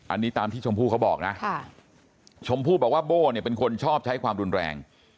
อันนี้ตามที่ชมพู่เขาบอกนะชมพู่บอกว่าโบ้เนี่ยเป็นคนชอบใช้ความรุนแรง